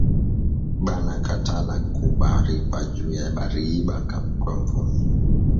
Banakatala kuba ripa juya bariiba kukampuni